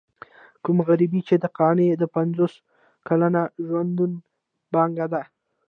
کومه غريبي چې د قانع د پنځوس کلن ژوندانه پانګه ده.